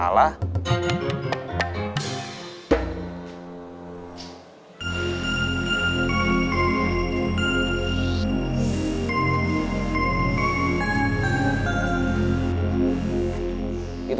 masa dua luar biasa